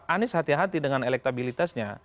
anies hati hati dengan elektabilitasnya